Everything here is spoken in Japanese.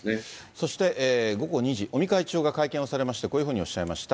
そして午後２時、尾身会長が会見をされまして、こういうふうにおっしゃいました。